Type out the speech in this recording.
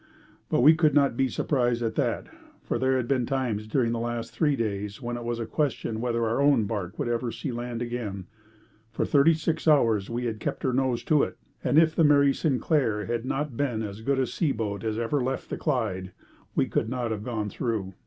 But we could not be surprised at that, for there had been times during the last three days when it was a question whether our own barque would ever see land again. For thirty six hours we had kept her nose to it, and if the Mary Sinclair had not been as good a seaboat as ever left the Clyde, we could not have gone through.